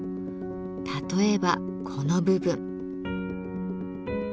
例えばこの部分。